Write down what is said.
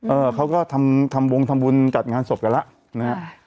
เออเขาก็ทำวงทำบุญกัดงานศพกันแล้ว